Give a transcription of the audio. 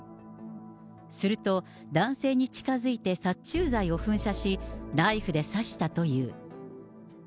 すると、男性に近づいて殺虫剤を噴射し、ナイフで刺したという。